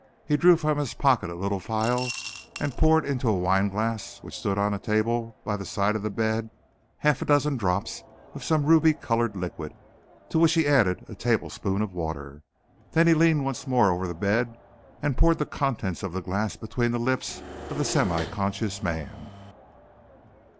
He drew from his pocket a little phial and poured into a wine glass which stood on a table by the side of the bed, half a dozen drops of some ruby coloured liquid, to which he added a tablespoonful of water. Then he leaned once more over the bed and poured the contents of the glass between the lips of the semi conscious man.